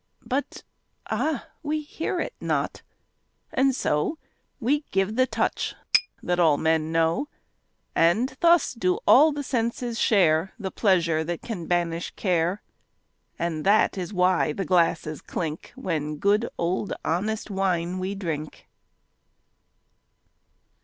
But ah, we hear it not, and so We give the touch that all men know. And thus do all the senses share The pleasure that can banish care. And that is why the glasses clink When good old honest wine we drink.